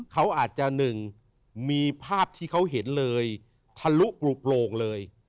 เขาอาจจะหนึ่งมีภาพที่เขาเห็นเลยทะลุปลูกโลงเลย